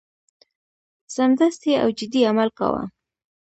سمدستي او جدي عمل کاوه.